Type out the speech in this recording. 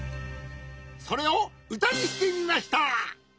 それをうたにしてみました！